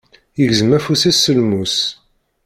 Yegzem afus-is s lmus.